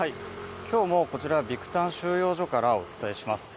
今日もこちら、ビクタン収容所からお伝えします。